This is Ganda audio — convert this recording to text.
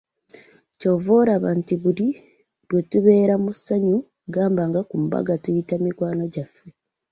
Ky'ova olaba nti buli lwe tubeeera mu ssanyu gamba nga ku mbaga tuyita mikwano gyaffe.